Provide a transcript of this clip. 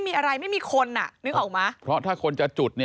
อยู่ดีดีก็มีไฟลุกแบบนี้จริงจริงอะค่ะ